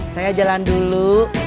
saya jalan dulu